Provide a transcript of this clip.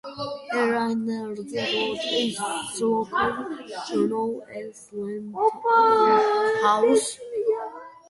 A ruin near the road is locally known as Iain Lom's house.